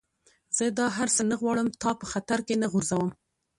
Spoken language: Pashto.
زه دا هر څه نه غواړم، تا په خطر کي نه غورځوم.